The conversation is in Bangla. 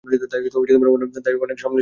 তাই অনেক সামলে চলতে হয়।